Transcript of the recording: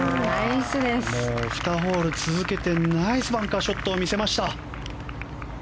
２ホール続けてナイスバンカーショットを見せました。